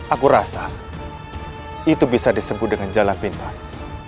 aku rasa itu bisa disebut dengan jalan pintas